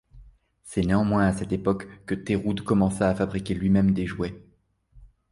C’est néanmoins à cette époque que Théroude commença à fabriquer lui-même des jouets.